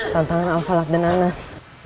tantangan al falq dan anas